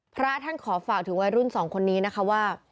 พระท่านขอฝากถึงวัยรุ่นสองคนนี้นะคะว่า